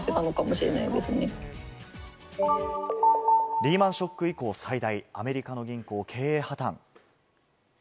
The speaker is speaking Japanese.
リーマン・ショック以降最大、アメリカの銀行、経営破綻。